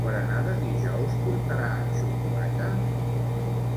El berenar de dijous portarà xocolata?